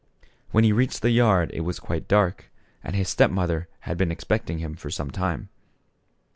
When he reached the yard it was quite dark and his step mother had been ex pecting him for some time.